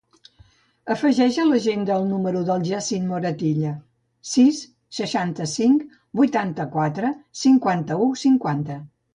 Afegeix a l'agenda el número del Yassine Moratilla: sis, seixanta-cinc, vuitanta-quatre, cinquanta-u, cinquanta.